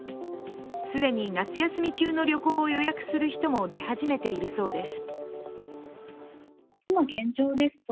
既に夏休み中の旅行を予約する人も出始めているそうです。